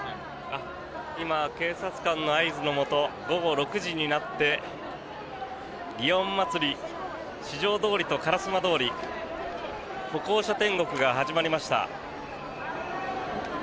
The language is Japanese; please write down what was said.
今、警察官の合図のもと午後６時になって祇園祭、四条通と烏丸通歩行者天国が始まりました。